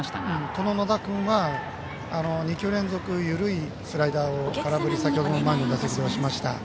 この野田君は２球連続、緩いスライダーを空振り、先程前の打席でしました。